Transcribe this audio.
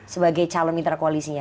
sebagai calon interkoalisinya